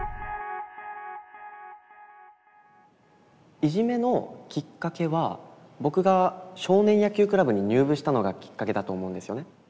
いじめのキッカケは僕が少年野球クラブに入部したのがキッカケだと思うんですよね。